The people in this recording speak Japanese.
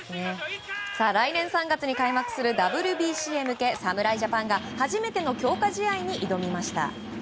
来年３月に開幕するＷＢＣへ向け侍ジャパンが初めての強化試合に挑みました。